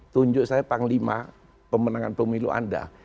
tunjuk saya panglima pemenangan pemilu anda